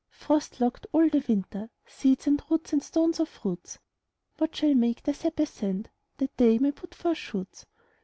Frost locked all the winter, Seeds, and roots, and stones of fruits, What shall make their sap ascend That they may put forth shoots?